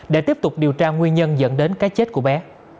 để tiếp tục điều tra nguyên nhân dẫn đến cái chết của bé